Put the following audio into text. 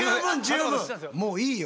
もういいよ。